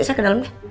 saya ke dalem deh